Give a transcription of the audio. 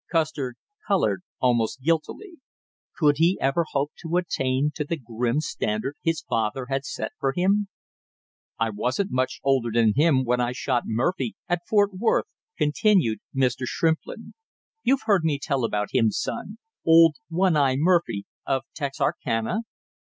Custer colored almost guiltily. Could he ever hope to attain to the grim standard his father had set for him? "I wasn't much older than him when I shot Murphy at Fort Worth," continued Mr. Shrimplin, "You've heard me tell about him, son old one eye Murphy of Texarcana?"